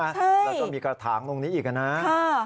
แล้วก็มีกระถางตรงนี้อีกนะ